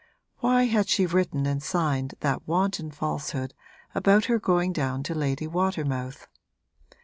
Why had she written and signed that wanton falsehood about her going down to Lady Watermouth?